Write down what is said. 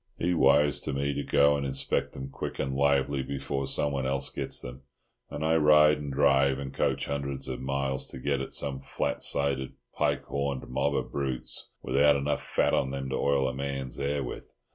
He wires to me to go and inspect them quick and lively before someone else gets them, and I ride and drive and coach hundreds of miles to get at some flat sided pike horned mob of brutes without enough fat on them to oil a man's hair with.